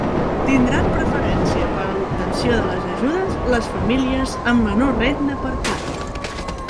Tindran preferència per a l'obtenció de les ajudes les famílies amb menor renda per càpita.